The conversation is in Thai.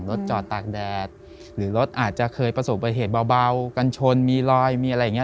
รถจอดตากแดดหรือรถอาจจะเคยประสบปฏิเหตุเบากันชนมีรอยมีอะไรอย่างเง